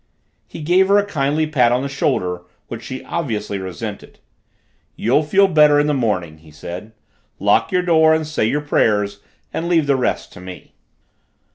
He gave her a kindly pat on the shoulder, which she obviously resented. "You'll feel better in the morning," he said. "Lock your door and say your prayers, and leave the rest to me."